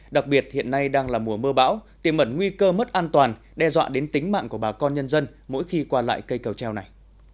đặc biệt hiện nay đang là mùa mưa bão tiềm mẩn nguy cơ mất an toàn đe dọa đến tính mạng của bà con nhân dân mỗi khi qua lại cây cầu treo này